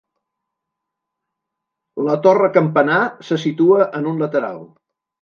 La torre campanar se situa en un lateral.